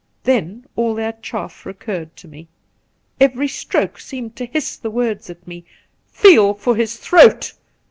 Then all their chaff recurred to me. Every stroke seemed to hiss the words at me, 'Feel for his throat!